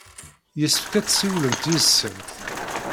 Yessefk ad tessiwlemt yid-sent.